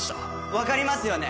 分かりますよね？